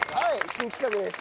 新企画です。